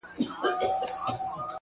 کلونه کیږي بې ځوابه یې بې سواله یې.